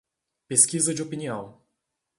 Pesquisa de opinião